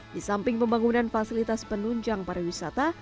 di samping pembangunan fasilitas penunjang pariwisata